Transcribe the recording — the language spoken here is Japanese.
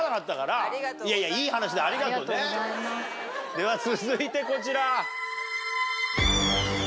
では続いてこちら。